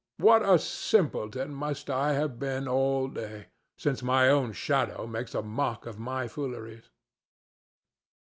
What a simpleton must I have been all day, since my own shadow makes a mock of my fooleries!